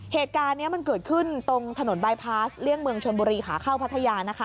เหตุการณ์นี้มันเกิดขึ้นตรงถนนบายพาสเลี่ยงเมืองชนบุรีขาเข้าพัทยานะคะ